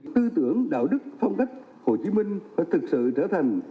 tư tưởng đạo đức phong cách hồ chí minh đã thực sự trở thành